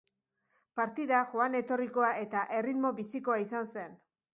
Partida joan etorrikoa eta erritmo bizikoa izan zen.